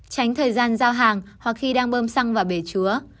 tránh thời gian giao hàng hoặc khi đang bơm xăng vào bể chứa